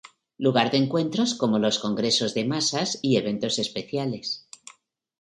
Lugar de encuentros como los congresos de masas y eventos especiales.